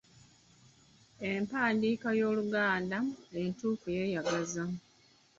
Empandiika y’Oluganda entuufu yeeyagaza.